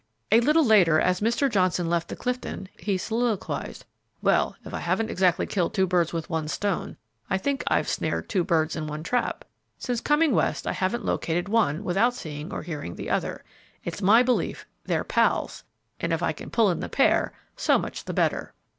A little later, as Mr. Johnson left the Clifton, he soliloquized, "Well, if I haven't exactly killed two birds with one stone, I think I've snared two birds in one trap. Since coming West I haven't located one without seeing or hearing of the other; it's my belief they're 'pals,' and if I can pull in the pair, so much the better."